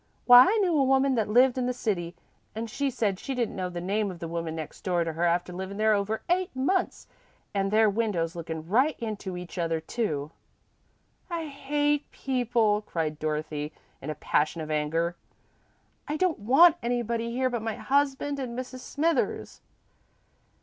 Why, I knew a woman that lived in the city, an' she said she didn't know the name of the woman next door to her after livin' there over eight months, an' their windows lookin' right into each other, too." "I hate people!" cried Dorothy, in a passion of anger. "I don't want anybody here but my husband and Mrs. Smithers!"